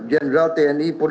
dan saya banggakan